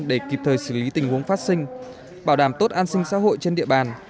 để kịp thời xử lý tình huống phát sinh bảo đảm tốt an sinh xã hội trên địa bàn